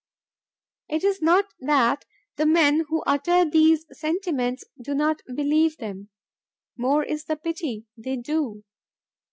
It is not that the men who utter these sentiments do not believe them. More is the pity, they do.